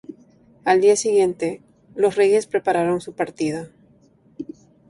Al día siguiente, los reyes prepararon su partida.